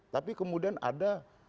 tapi kemudian ada